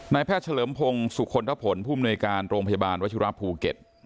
แพทย์เฉลิมพงศ์สุคลทะผลผู้มนุยการโรงพยาบาลวัชิระภูเก็ต